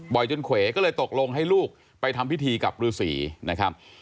จนเขวก็เลยตกลงให้ลูกไปทำพิธีกับฤษีนะครับ